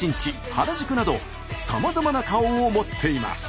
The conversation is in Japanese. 原宿などさまざまな顔を持っています。